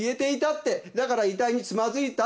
「だから遺体につまずいた」って。